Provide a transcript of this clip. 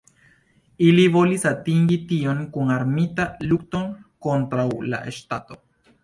Ili volis atingi tion kun armita lukton kontraŭ la ŝtato.